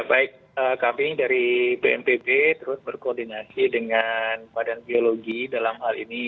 baik kami dari bnpb terus berkoordinasi dengan badan geologi dalam hal ini